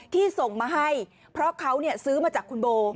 ที่ส่งมาให้เพราะเขาซื้อมาจากคุณโบ